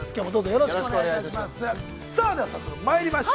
◆よろしくお願いします。